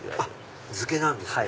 漬けなんですね。